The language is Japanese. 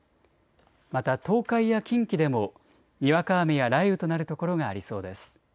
また東海や近畿でもにわか雨や雷雨となる所がありそうです。